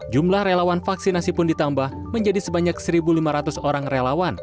jumlah relawan vaksinasi pun ditambah menjadi sebanyak satu lima ratus orang relawan